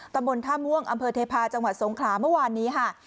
ตำบลท่าม่วงอำเภอเทพาะจังหวัดสงขลาเมื่อวานนี้ค่ะ